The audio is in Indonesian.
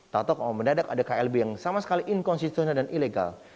tato mendadak ada klb yang sama sekali inkonstitusional dan ilegal